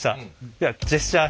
ではジェスチャー！